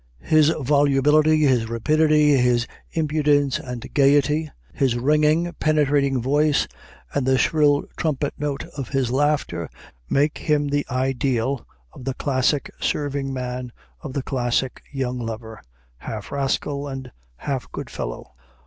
His volubility, his rapidity, his impudence and gayety, his ringing, penetrating voice and the shrill trumpet note of his laughter, make him the ideal of the classic serving man of the classic young lover half rascal and half good fellow.